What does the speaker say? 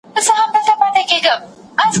د روسيې د اقتصادي ودې تاریخ مهم دی.